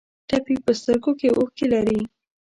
ټپي په سترګو کې اوښکې لري.